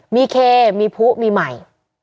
มีเคมีภุมีไหม